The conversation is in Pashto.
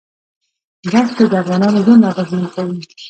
دښتې د افغانانو ژوند اغېزمن کوي.